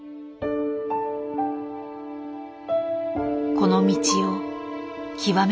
この道を極めたい。